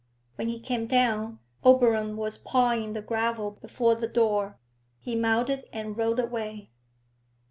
When he came down, Oberon was pawing the gravel before the door. He mounted and rode away.